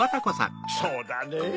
そうだねぇ。